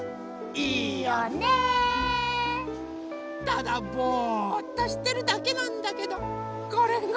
ただぼっとしてるだけなんだけどこれが。